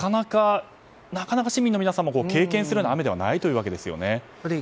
なかなか市民の皆さんも経験するような雨ではないですよね。